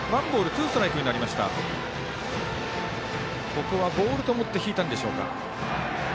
ここはボールと思って引いたんでしょうか。